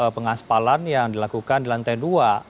pengaspalan yang dilakukan di lantai dua